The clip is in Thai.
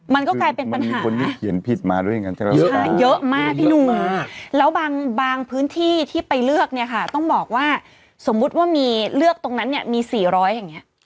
มันก็กลายเป็นปัญหาเยอะมากพี่หนูแล้วบางพื้นที่ที่ไปเลือกเนี่ยค่ะต้องบอกว่าสมมุติว่าเลือกตรงนั้นเนี่ยมี๔๐๐อย่างนี้